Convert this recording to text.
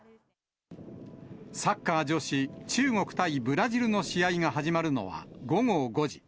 サッカー女子、中国対ブラジルの試合が始まるのは午後５時。